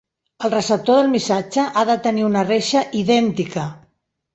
El receptor del missatge ha de tenir una reixa idèntica.